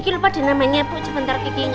kiki lupa dia namanya puk sebentar kiki inget inget